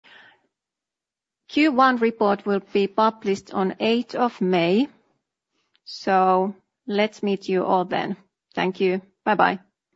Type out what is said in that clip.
Q1 report will be published on eighth of May, so let's meet you all then. Thank you. Bye-bye.